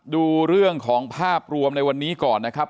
ดูเรื่องของภาพรวมในวันนี้ก่อนนะครับ